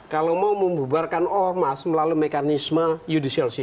kalau mau membubarkan ormas melalui mekanisme judicial show